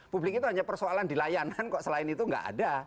publik itu hanya persoalan di layanan kok selain itu nggak ada